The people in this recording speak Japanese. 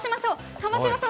玉城さん